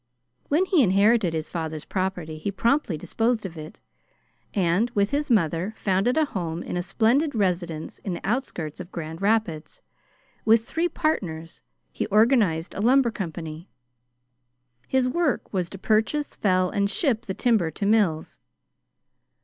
When he inherited his father's property, he promptly disposed of it, and, with his mother, founded a home in a splendid residence in the outskirts of Grand Rapids. With three partners, he organized a lumber company. His work was to purchase, fell, and ship the timber to the mills.